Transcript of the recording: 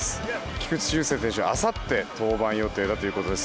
菊池雄星投手、あさって登板予定だということです。